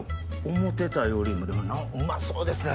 思うてたよりもうまそうですね